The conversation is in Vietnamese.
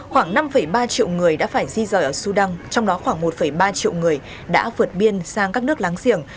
khoảng năm ba triệu người đã phải di rời ở sudan trong đó khoảng một ba triệu người đã vượt biên sang các nước láng giềng